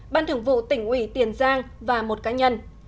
ban thường vụ tỉnh ủy tiền giang và một cá nhân